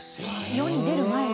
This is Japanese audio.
世に出る前に？